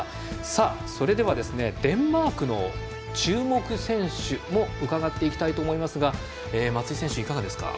さあ、それではデンマークの注目選手も伺っていきたいと思いますが松井選手、いかがですか？